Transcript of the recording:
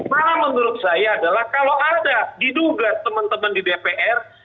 malah menurut saya adalah kalau ada diduga teman teman di dpr